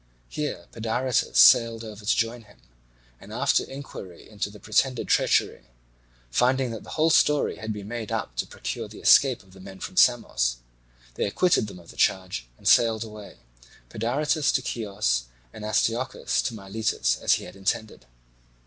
Here Pedaritus sailed over to join him; and after inquiry into the pretended treachery, finding that the whole story had been made up to procure the escape of the men from Samos, they acquitted them of the charge, and sailed away, Pedaritus to Chios and Astyochus to Miletus as he had intended.